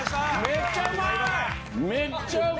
めっちゃうまい！